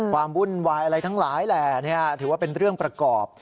วุ่นวายอะไรทั้งหลายแหล่ถือว่าเป็นเรื่องประกอบ